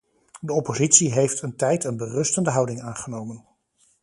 De oppositie heeft een tijd een berustende houding aangenomen.